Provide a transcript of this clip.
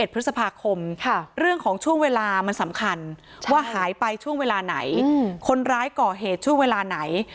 พฤษภาคมเรื่องของช่วงเวลามันสำคัญว่าหายไปช่วงเวลาไหนคนร้ายก่อเหตุช่วงเวลาไหน